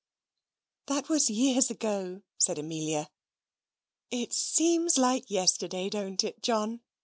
"That was years ago," said Amelia. "It seems like yesterday, don't it, John?"